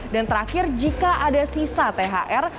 dan terakhir jika ada sisa thr